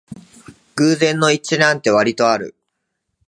偶然の一致なんてわりとある